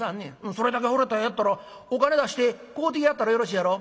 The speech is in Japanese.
それだけ惚れた絵やったらお金出して買うてやったらよろしいやろ」。